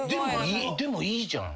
でもいいじゃん。